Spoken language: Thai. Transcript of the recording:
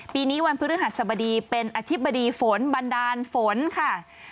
ปีนี้วันพฤหัสบดีเป็นอธิบดีฝนบันดาลฝนค่ะ